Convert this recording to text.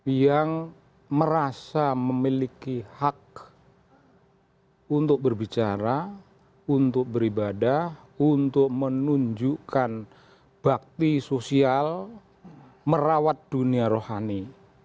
yang merasa memiliki hak untuk berbicara untuk beribadah untuk menunjukkan bakti sosial merawat dunia rohani